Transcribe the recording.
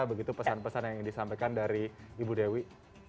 begitu pesan pesan yang ingin disampaikan dari ibu dewi